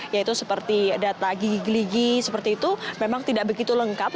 yaitu seperti data gigi gigi seperti itu memang tidak begitu lengkap